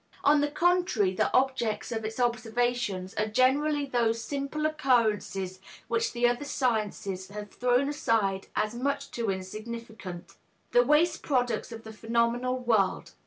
On the contrary, the objects of its observations are generally those simple occurrences which the other sciences have thrown aside as much too insignificant, the waste products of the phenomenal world.